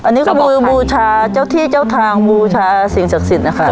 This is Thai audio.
อันนี้ก็คือบูชาเจ้าที่เจ้าทางบูชาสิ่งศักดิ์สิทธิ์นะคะ